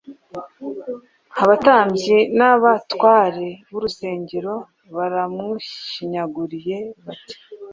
Abatambyi n’abatware b’urusengero baramushinyaguriye bati,